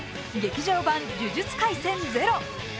「劇場版呪術廻戦０」。